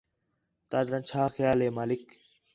تاجا چھا خیال ہے مالک